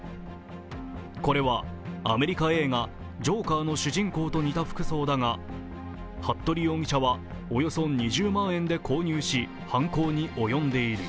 これはアメリカ映画「ジョーカー」の主人公と似た服装だが服部容疑者はおよそ２０万円で購入し、犯行に及んでいる。